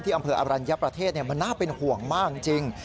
อำเภออรัญญประเทศมันน่าเป็นห่วงมากจริง